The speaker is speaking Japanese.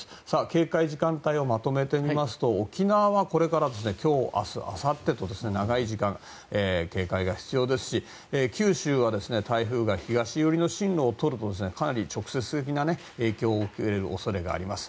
警戒時間帯をまとめてみますと沖縄はこれから今日、明日、あさってと長い時間、警戒が必要ですし九州は台風が東寄りの進路をとるとかなり直接的な影響を受ける恐れがあります。